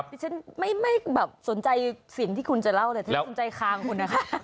ผมไม่สนใจเสียงที่คุณจะเล่าแต่ถ้าสนใจคลางคุณนะครับ